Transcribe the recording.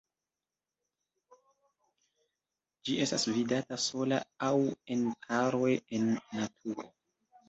Ĝi estas vidata sola aŭ en paroj en naturo.